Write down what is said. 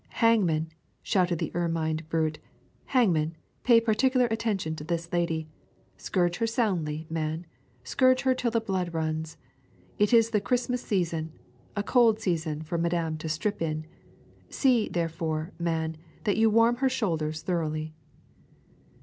'Hangman,' shouted the ermined brute, 'Hangman, pay particular attention to this lady. Scourge her soundly, man. Scourge her till the blood runs. It is the Christmas season; a cold season for madam to strip in. See, therefore, man, that you warm her shoulders thoroughly.'